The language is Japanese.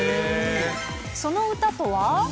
その歌とは？